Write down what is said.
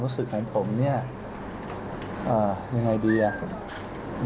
ขอบคุณพี่ด้วยนะครับ